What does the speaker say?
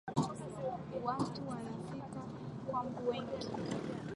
Watu wanafika kuwa wengi